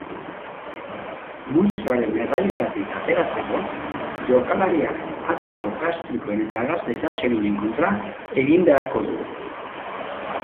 Munstroaren erraietatik ateratzeko jokalariak azido gastrikoen eta gas desatseginen kontra egin beharko du.